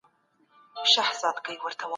تر څو چې علت معلوم نه وي ستونزه نه حلیږي.